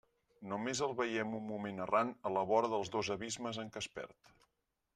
Només el veiem un moment errant a la vora dels dos abismes en què es perd.